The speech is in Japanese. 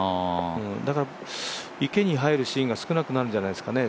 だから、池に入るシーンが少なくなるんじゃないですかね。